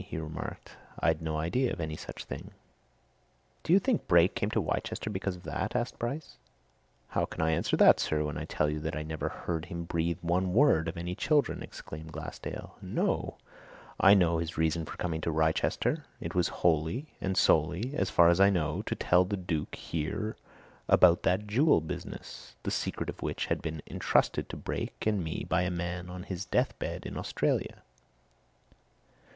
he remarked. "I'd no idea of any such thing." "Do you think Brake came to Wrychester because of that?" asked Bryce. "How can I answer that, sir, when I tell you that I never heard him breathe one word of any children?" exclaimed Glassdale. "No! I know his reason for coming to Wrychester. It was wholly and solely as far as I know to tell the Duke here about that jewel business, the secret of which had been entrusted to Brake and me by a man on his death bed in Australia.